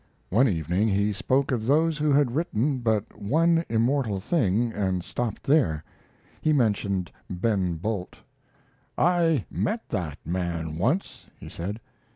One evening he spoke of those who had written but one immortal thing and stopped there. He mentioned "Ben Bolt." "I met that man once," he said.